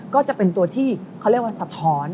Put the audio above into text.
ก็จะเป็นตัวที่เขาเรียกว่าสะท้อน